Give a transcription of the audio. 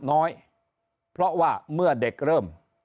น้อยเพราะว่าเมื่อเด็กเริ่ม